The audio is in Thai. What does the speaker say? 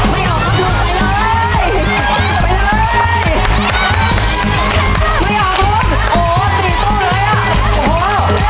ไม่ออกครับลุงไปเลย